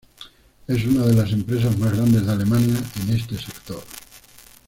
Es una de las empresas más grandes de Alemania en este sector.